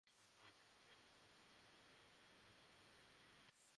পরে অস্ত্র আইনে মামলা দায়ের করে তাঁকে পাঁচবিবি থানায় সোপর্দ করা হয়।